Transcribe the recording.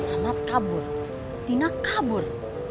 anak kabur dina kabur